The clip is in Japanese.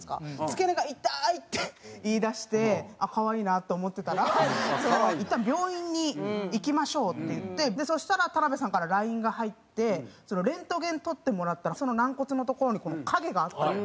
「付け根が痛い」って言いだしてあっ可愛いなって思ってたらいったん病院に行きましょうっていってそしたら田辺さんからＬＩＮＥが入ってレントゲン撮ってもらったらその軟骨の所に影があったと。